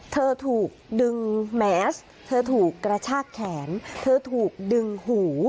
เธอถูกดึงแมสเธอถูกกระชากแขนเธอถูกดึงหู